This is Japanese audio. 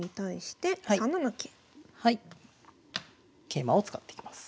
桂馬を使っていきます。